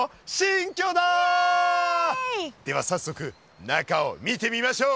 では早速中を見てみましょう！